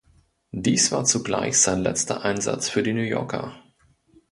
Dies war zugleich sein letzter Einsatz für die New Yorker.